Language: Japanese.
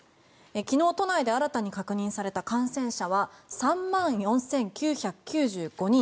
昨日、都内で新たに確認された感染者は３万４９９５人。